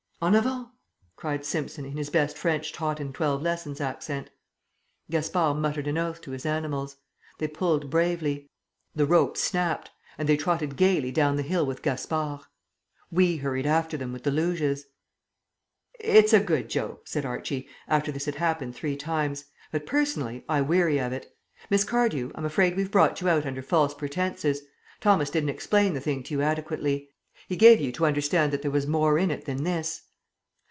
"En avant!" cried Simpson in his best French taught in twelve lessons accent. Gaspard muttered an oath to his animals. They pulled bravely. The rope snapped and they trotted gaily down the hill with Gaspard. We hurried after them with the luges.... "It's a good joke," said Archie, after this had happened three times, "but, personally, I weary of it. Miss Cardew, I'm afraid we've brought you out under false pretences. Thomas didn't explain the thing to you adequately. He gave you to understand that there was more in it than this."